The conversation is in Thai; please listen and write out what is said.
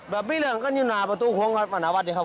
ล่าสุดทางตำลวชสพวาริร์ชำราบนะครับ